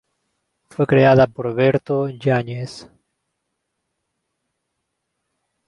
Fue creada por Berto Yáñez.